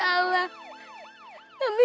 ntar cyka pengangkir